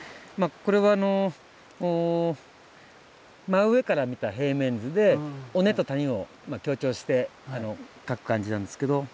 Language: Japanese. これは真上から見た平面図で尾根と谷を強調して書く感じなんですけど。